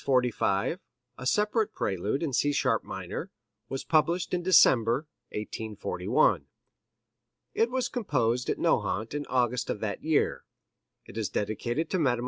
45, a separate Prelude in C sharp minor, was published in December, 1841. It was composed at Nohant in August of that year. It is dedicated to Mme.